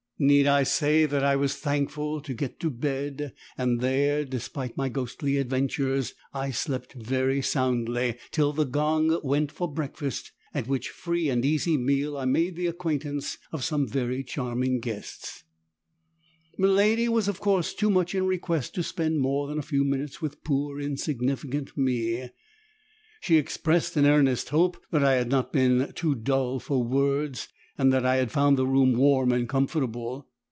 Need I say that I was thankful to get to bed and there, despite my ghostly adventures, I slept very soundly till the gong went for breakfast, at which free and easy meal I made the acquaintance of some very charming guests. Miladi was of course too much in request to spend more than a few minutes with poor, insignificant me; she expressed an earnest hope that I had not been too dull for words and that I had found the room warm and comfortable.